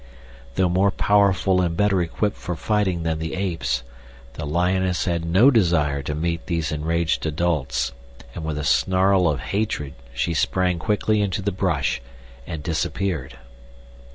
Though more powerful and better equipped for fighting than the apes, the lioness had no desire to meet these enraged adults, and with a snarl of hatred she sprang quickly into the brush and disappeared.